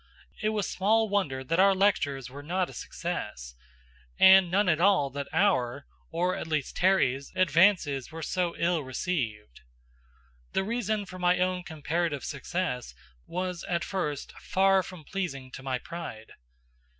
It was small wonder that our lectures were not a success; and none at all that our, or at least Terry's, advances were so ill received. The reason for my own comparative success was at first far from pleasing to my pride.